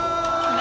何？